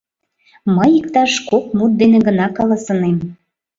Мый иктаж кок мут дене гына каласынем.